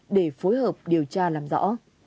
để phối hợp điều tra làm rõ